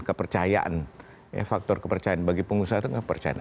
kepercayaan faktor kepercayaan bagi pengusaha itu kepercayaan